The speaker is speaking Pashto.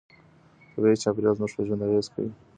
طبيعي چاپيريال زموږ په ژوند اغېز کوي.